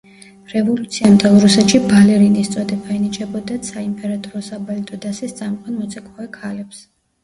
რევოლუციამდელ რუსეთში ბალერინის წოდება ენიჭებოდათ საიმპერატორო საბალეტო დასის წამყვან მოცეკვავე ქალებს.